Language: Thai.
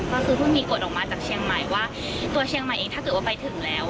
ก็คือเพิ่งมีกฎออกมาจากเชียงใหม่ว่าตัวเชียงใหม่เองถ้าเกิดว่าไปถึงแล้ว